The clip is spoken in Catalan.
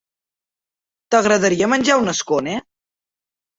T'agradaria menjar un scone?